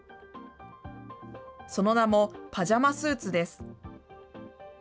その名も、パジャマスーツです。